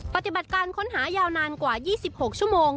ปฏิบัติการค้นหายาวนานกว่า๒๖ชั่วโมง